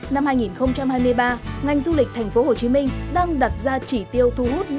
năm hai nghìn hai mươi ba ngành du lịch tp hcm đang đặt ra chỉ tiêu thu hút